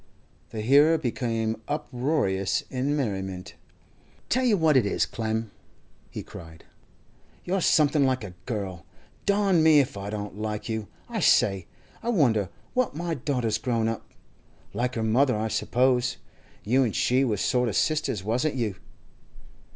The hearer became uproarious in merriment. 'Tell you what it is, Clem,' he cried, 'you're something like a girl! Darn me if I don't like you! I say, I wonder what my daughter's grown up? Like her mother, I suppose. You an' she was sort of sisters, wasn't you?